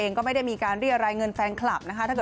เพราะไม่มีการทำอะไรเกิดขึ้นอะไรอย่างนี้